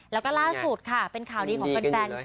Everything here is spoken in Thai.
แล้วก็ล่าสุดค่ะเป็นข่าวดีของแฟน